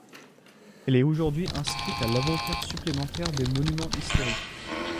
Elle est aujourd'hui inscrite à l'Inventaire supplémentaire des monuments historiques.